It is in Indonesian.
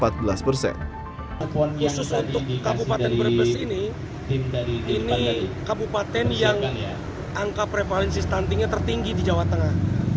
khusus untuk kabupaten brebes ini ini kabupaten yang angka prevalensi stuntingnya tertinggi di jawa tengah